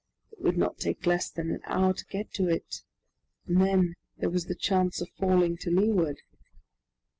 It would not take less than an hour to get to it, and then there was the chance of falling to leeward.